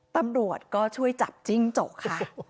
ตำรวจก็ช่วยจับจิ้งจกค่ะ